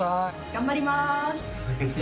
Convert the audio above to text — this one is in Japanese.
頑張ります。